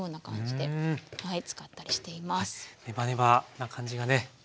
ネバネバな感じがね